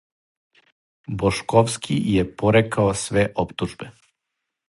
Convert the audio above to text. Бошковски је порекао све оптужбе.